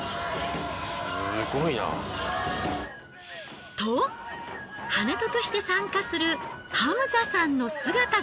すごいな。と跳人として参加するハムザさんの姿が。